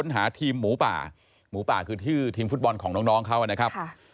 หมูป่าคือที่ทีมฟุตบอลของน้องเขานะครับ